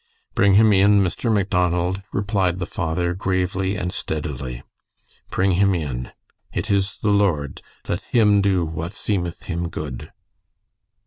"Bring him in, Mr. Macdonald," replied the father, gravely and steadily. "Bring him in. It is the Lord; let Him do what seemeth Him good."